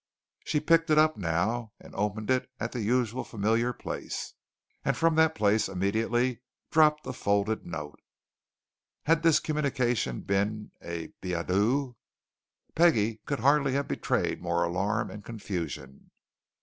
She picked it up now, and opened it at the usual familiar place. And from that place immediately dropped a folded note. Had this communication been a billet doux, Peggie could hardly have betrayed more alarm and confusion.